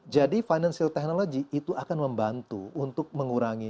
jadi financial technology itu akan membantu untuk mengurangi